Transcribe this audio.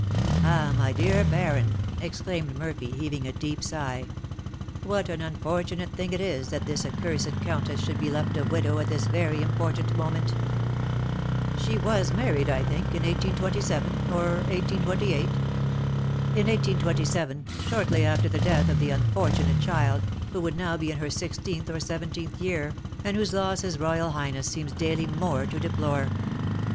"Ah! my dear baron," exclaimed Murphy, heaving a deep sigh, "what an unfortunate thing it is that this accursed countess should be left a widow at this very important moment!" "She was married, I think, in 1827 or 1828?" "In 1827, shortly after the death of the unfortunate child, who would now be in her sixteenth or seventeenth year, and whose loss his royal highness seems daily more to deplore."